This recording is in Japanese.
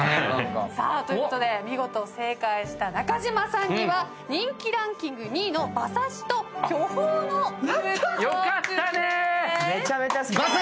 さあということで見事正解した中島さんには人気ランキング２位の馬刺しと巨峰のフルーツ焼酎でーす。